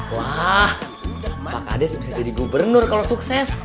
wah pak kades bisa jadi gubernur kalau sukses